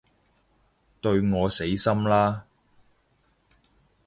對我死心啦